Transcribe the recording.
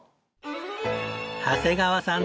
長谷川さん